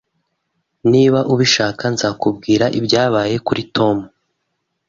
Niba ubishaka, nzakubwira ibyabaye kuri Tom